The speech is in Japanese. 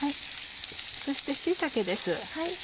そして椎茸です。